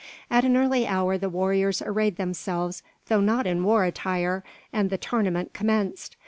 At an early hour the warriors arrayed themselves, though not in war attire, and the tournament commenced.